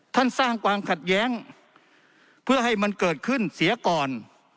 สร้างความขัดแย้งเพื่อให้มันเกิดขึ้นเสียก่อน